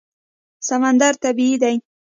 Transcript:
سمندر طبیعي دی.